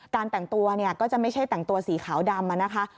การแต่งตัวก็จะไม่ใช่แต่งตัวสีขาวดำนะคะ